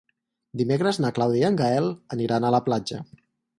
Dimecres na Clàudia i en Gaël aniran a la platja.